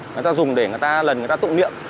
người ta dùng để người ta lần người ta tụ niệm